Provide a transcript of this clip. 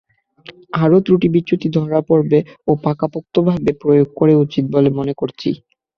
আরও ত্রুটি-বিচ্যুতি ধরা পড়বে ও পাকাপোক্তভাবে প্রয়োগ করা উচিৎ বলে মনে করছি।